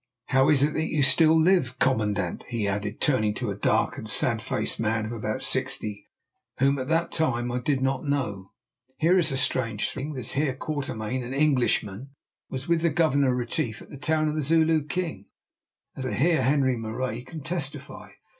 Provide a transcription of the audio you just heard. How is it that you still live? Commandant," he added, turning to a dark, sad faced man of about sixty whom at that time I did not know, "here is a strange thing. This Heer Quatermain, an Englishman, was with the Governor Retief at the town of the Zulu king, as the Heer Henri Marais can testify.